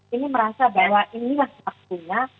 ini merasa bahwa ini adalah waktunya